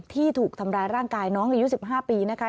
ที่ถูกทำร้ายร่างกายน้องอายุ๑๕ปีนะคะ